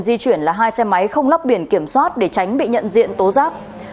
di chuyển là hai xe máy không lắp biển kiểm soát để tránh bị nhận diện tố giác